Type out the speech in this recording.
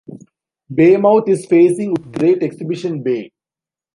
Bay mouth is facing with Great Exhibition Bay.